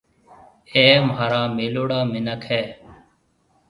اَي مهارا ميلوڙا مِنک هيَ۔